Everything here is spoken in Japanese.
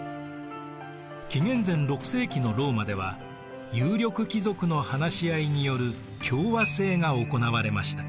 紀元前６世紀のローマでは有力貴族の話し合いによる共和政が行われました。